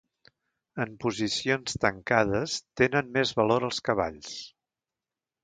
En posicions tancades, tenen més valor els cavalls.